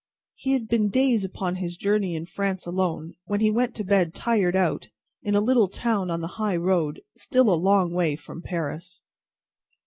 He had been days upon his journey in France alone, when he went to bed tired out, in a little town on the high road, still a long way from Paris.